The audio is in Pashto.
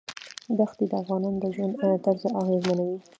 دښتې د افغانانو د ژوند طرز اغېزمنوي.